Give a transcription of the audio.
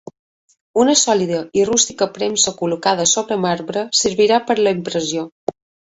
Una sòlida i rústica premsa col·locada sobre marbre servia per a la impressió.